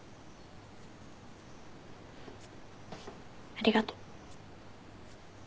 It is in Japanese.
ありがとう。